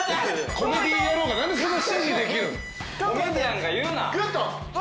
コメディアンが言うな。